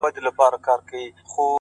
o خو وخته لا مړ سوى دی ژوندى نـه دی؛